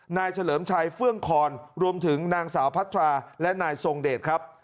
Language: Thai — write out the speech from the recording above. เฉลิมชัยเฟื่องคอนรวมถึงนางสาวพัทราและนายทรงเดชครับ